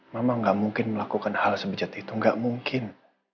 mama nggak mungkin melakukan hal sebejat itu enggak mungkin